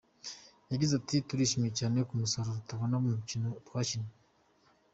Yagize ati “Turishimye cyane ku musaruro tubonye n’umukino twakinnye.